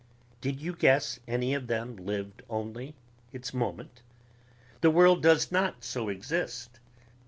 Did you guess any of them lived only its moment? The world does not so exist